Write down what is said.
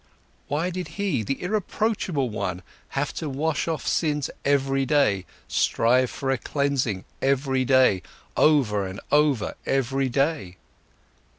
Why did he, the irreproachable one, have to wash off sins every day, strive for a cleansing every day, over and over every day?